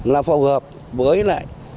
là phù hợp với lại